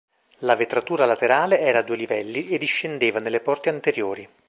La vetratura laterale era a due livelli e discendeva nelle porte anteriori.